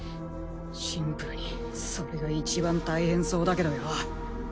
シンプルにそれがいちばん大変そうだけどよ。